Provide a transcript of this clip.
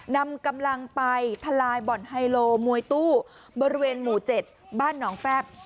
นำกำลังไปทลายบ่อนไฮโลมวยตู้บริเวณหมู่๗บ้านหนองแฟบ